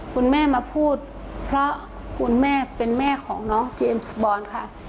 คุณแม่มาพูดเพราะคุณแม่เป็นแม่ของน้องเจมส์บอลค่ะ